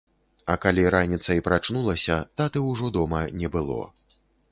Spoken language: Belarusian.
А калі раніцай прачнулася, таты ўжо дома не было.